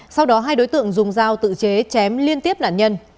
sau đó hai đối tượng dùng dao tự chế chém liên tiếp nạn nhân